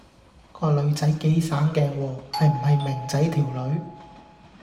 個女仔幾省鏡喎，係唔係明仔條女